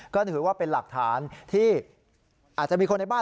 ก็ถือว่าเป็นหลักฐานที่อาจจะมีคนในบ้าน